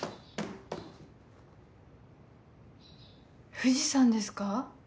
藤さんですか？